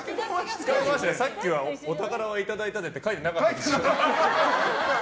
さっきはお宝はいただいたぜって書いてなかったでしょ。